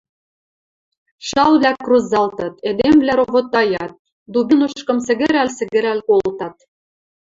Шалвлӓ крузалтыт, эдемвлӓ ровотаят, «Дубинушкым» сӹгӹрӓл-сӹгӹрӓл колтат.